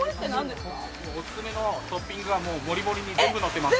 おすすめのトッピングがもりもりに全部盛ってます。